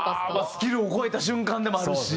スキルを超えた瞬間でもあるし。